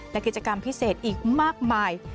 และกิจกรรมพิเศษอีกมากมาย